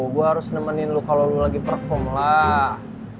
gue harus nemenin lo kalau lo lagi perform lah